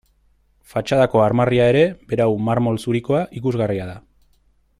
Fatxadako armarria ere, berau marmol zurikoa, ikusgarria da.